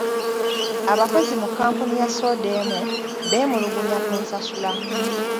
Abakozi mu kkampuni ya soda emu beemulugunya ku nsasula.